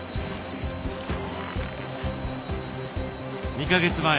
２か月前